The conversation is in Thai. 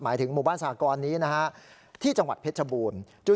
ถึงหมู่บ้านสากรนี้นะฮะที่จังหวัดเพชรบูรณ์